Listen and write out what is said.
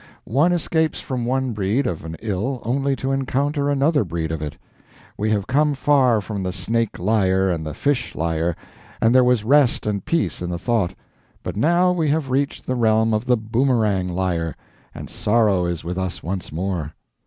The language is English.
One escapes from one breed of an ill only to encounter another breed of it. We have come far from the snake liar and the fish liar, and there was rest and peace in the thought; but now we have reached the realm of the boomerang liar, and sorrow is with us once more.